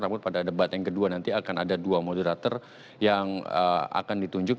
namun pada debat yang kedua nanti akan ada dua moderator yang akan ditunjuk